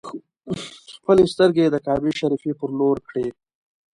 خپلې سترګې یې د کعبې شریفې پر لور کړې.